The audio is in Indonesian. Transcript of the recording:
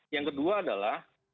yang kedua adalah